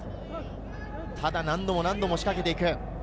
何度も何度も仕掛けていく。